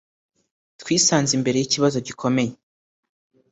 “twisanze imbere y’ ikibazo gikomeye